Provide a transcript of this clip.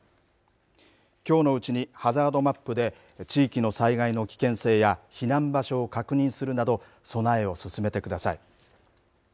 きょうのうちにハザードマップで地域の災害の危険性や避難場所を確認するなど備えを進めてください。